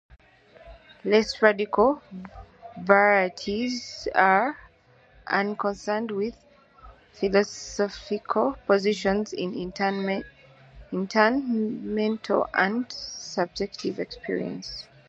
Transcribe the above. Less radical varieties are unconcerned with philosophical positions on internal, mental and subjective experience.